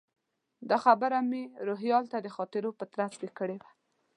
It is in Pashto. دا خبره مې روهیال ته د خاطرو په ترڅ کې کړې وه.